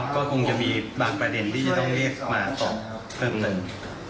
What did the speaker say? ก็คงจะมีบางประเด็นที่จะต้องเรียกมาตอบเพิ่มเติม